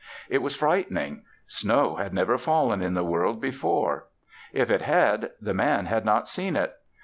It was frightening; snow had never fallen in the world before. If it had, the Man had not seen it.